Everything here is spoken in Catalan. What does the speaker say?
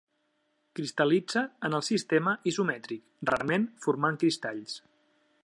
Cristal·litza en el sistema isomètric, rarament formant cristalls.